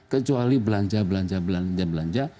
kecuali belanja belanja belanja belanja